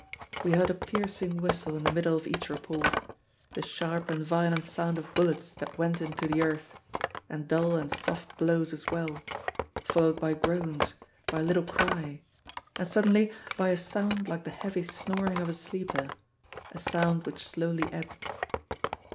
We heard a piercing whistle in the middle of each report, the sharp and violent sound of bullets that went into the earth, and dull and soft blows as well, followed by groans, by a little cry, and suddenly by a sound like the heavy snoring of a sleeper, a sound which slowly ebbed.